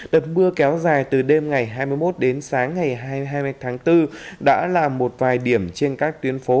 trận mưa đá kéo dài từ đêm ngày hai mươi một đến sáng ngày hai mươi hai tháng bốn đã là một vài điểm trên các tuyến phố